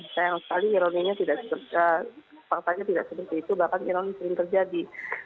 sayang sekali ironinya tidak faktanya tidak seperti itu bahkan ironi sering terjadi